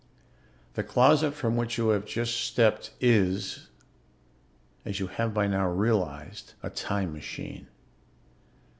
"The 'closet' from which you have just stepped is, as you have by now realized, a time machine.